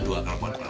dua karbon perpeng